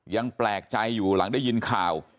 ยังแปลกใจอยู่หลังได้ยินข่าว